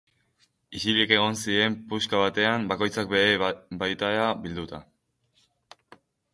Isilik egon ziren puska batean, bakoitza bere baitara bilduta.